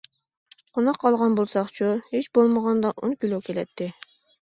-قوناق ئالغان بولساقچۇ؟ -ھېچبولمىغاندا ئون كىلو كېلەتتى.